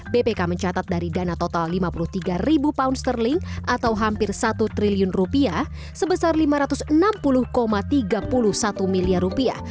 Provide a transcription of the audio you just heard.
bpk mencatat dari dana total lima puluh tiga ribu pound sterling atau hampir satu triliun rupiah sebesar lima ratus enam puluh tiga puluh satu miliar rupiah